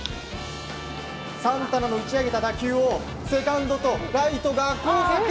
サンタナの打ち上げた打球をセカンドとライトが交錯。